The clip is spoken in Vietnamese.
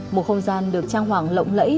một không gian được trang hoàng lộng lẫy